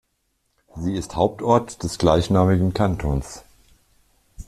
Sie ist Hauptort des gleichnamigen Kantons.